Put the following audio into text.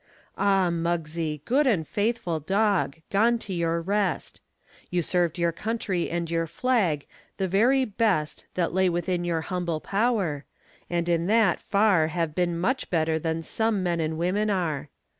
Ah, Muggsie, good and faithful dog, Gone to your rest! You served your country and your flag The very best That lay within your humble power, And in that far Have been much better than some men And women are.